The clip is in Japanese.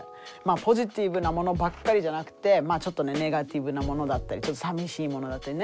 ポジティブなものばっかりじゃなくてちょっとネガティブなものだったりちょっとさみしいものだったりね